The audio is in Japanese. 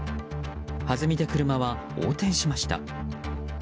はずみで車は横転しました。